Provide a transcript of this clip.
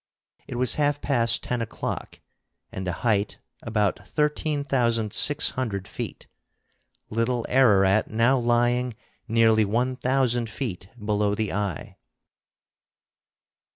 It was half past ten o'clock, and the height about thirteen thousand six hundred feet, Little Ararat now lying nearly one thousand feet below the eye.